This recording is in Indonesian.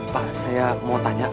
pak saya mau tanya